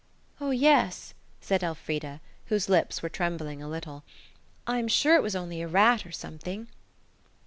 "Oh, yes," said Elfrida, whose lips were trembling a little; "I'm sure it was only a rat or something."